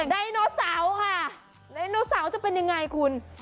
ไดโนเสาร์ค่ะไดโนเสาร์จะเป็นยังไงคุณ